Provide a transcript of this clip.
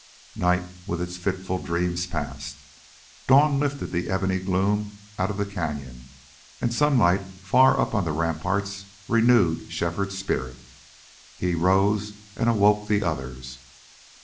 Night with its fitful dreams passed. Dawn lifted the ebony gloom out of the cañon and sunlight far up on the ramparts renewed Shefford's spirit. He rose and awoke the others.